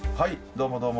どうもどうも。